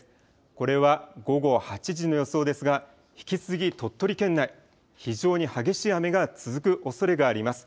これは午後８時の予想ですが、引き続き鳥取県内、非常に激しい雨が続くおそれがあります。